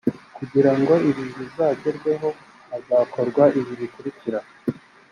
kugira ngo ibi bizagerweho hazakorwa ibi bikurikira